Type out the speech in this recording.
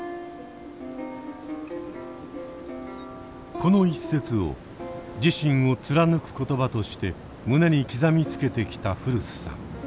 この一節を自身を貫く言葉として胸に刻みつけてきた古巣さん。